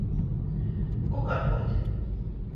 Kukarkuot.